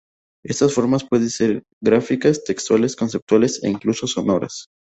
Estas formas pueden ser gráficas, textuales, conceptuales e incluso sonoras.